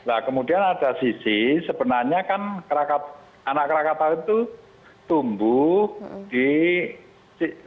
nah kemudian ada sisi sebenarnya kan anak krakatau itu tumbuh di di di di di di di